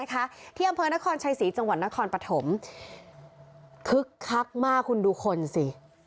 คึกครักมากคุณดูคนสิ